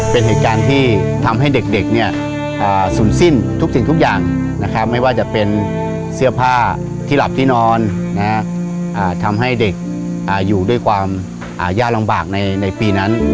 เป็นเหตุการณ์ที่ทำให้เด็กเนี่ยศูนย์สิ้นทุกสิ่งทุกอย่างนะครับไม่ว่าจะเป็นเสื้อผ้าที่หลับที่นอนทำให้เด็กอยู่ด้วยความยากลำบากในปีนั้น